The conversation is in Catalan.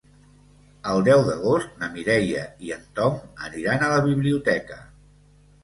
El deu d'agost na Mireia i en Tom aniran a la biblioteca.